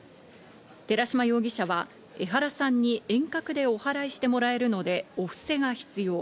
寺島容疑者は江原さんに遠隔でお祓いしてもらえるのでお布施が必要。